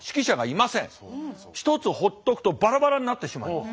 一つほっとくとバラバラになってしまいます。